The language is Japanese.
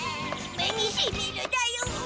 目にしみるだよ。